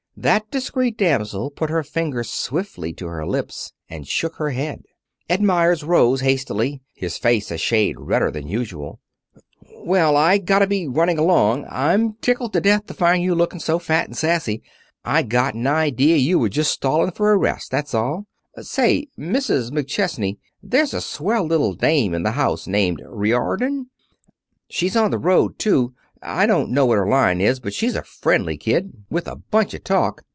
That discreet damsel put her finger swiftly to her lips, and shook her head. Ed Meyers rose, hastily, his face a shade redder than usual. "Well, I guess I gotta be running along. I'm tickled to death to find you looking so fat and sassy. I got an idea you were just stalling for a rest, that's all. Say, Mrs. McChesney, there's a swell little dame in the house named Riordon. She's on the road, too. I don't know what her line is, but she's a friendly kid, with a bunch of talk.